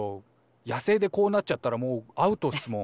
野生でこうなっちゃったらもうアウトっすもん。